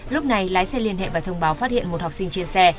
lúc này lái xe liên hệ và thông báo phát hiện một học sinh trên xe